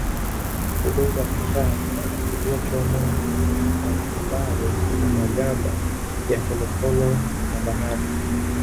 Udongo na chokaa iliyochomwa matumbawe na magamba ya konokono wa bahari